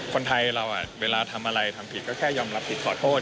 คนไทยเราเวลาทำอะไรทำผิดก็แค่ยอมรับผิดขอโทษ